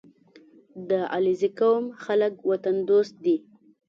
• د علیزي قوم خلک وطن دوست دي.